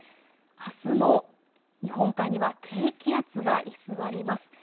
あすも日本海には低気圧が居座ります。